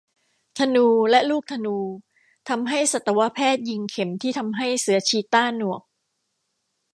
ธนูและลูกธนูทำให้สัตวแพทย์ยิงเข็มที่ทำให้เสือชีต้าหนวก